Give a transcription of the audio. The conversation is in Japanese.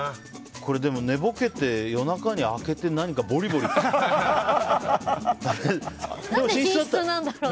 これでも、寝ぼけて夜中に開けて何かボリボリ食べてたら。